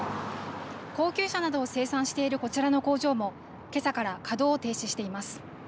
高級車などを生産しているこちらの工場もけさから稼働を停止しています。